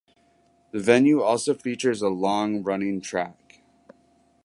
The venue also features a long running track.